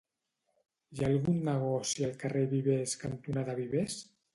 Hi ha algun negoci al carrer Vivers cantonada Vivers?